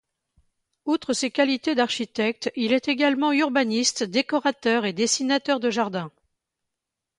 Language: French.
Outre ses qualités d'architecte, il est également urbaniste, décorateur et dessinateur de jardins.